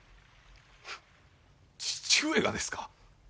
フッ父上がですか？